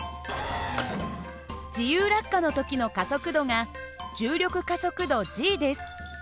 自由落下の時の加速度が重力加速度です。